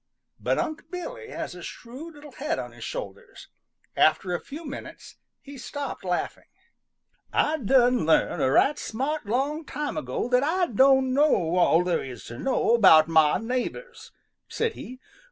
But Unc' Billy has a shrewd little head on his shoulders. After a few minutes he stopped laughing. "Ah done learn a right smart long time ago that Ah don' know all there is to know about mah neighbors," said he.